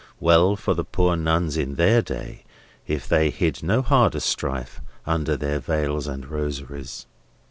Well for the poor Nuns in their day, if they hid no harder strife under their veils and rosaries!